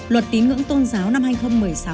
luật tín ngưỡng tôn giáo năm hai nghìn một mươi sáu